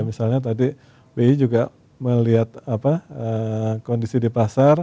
misalnya tadi bi juga melihat kondisi di pasar